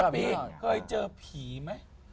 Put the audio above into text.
พี่เคยเจอผีไหม